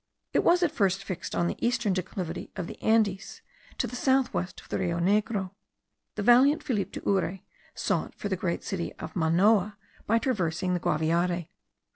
It was at first fixed on the eastern declivity of the Andes, to the south west of the Rio Negro. The valiant Philip de Urre sought for the great city of Manoa by traversing the Guaviare.